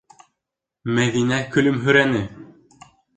Мәҙинә көлөмһөрәне: